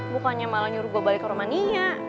bukannya malah nyuruh gue balik ke romania